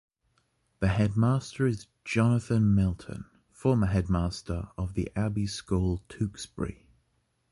The headmaster is Jonathan Milton, former headmaster of The Abbey School, Tewkesbury.